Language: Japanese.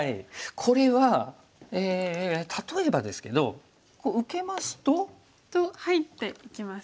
これは例えばですけどこう受けますと。と入っていきます。